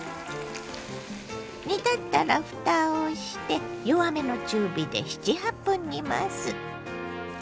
煮立ったらふたをして弱めの中火で７８分煮ます。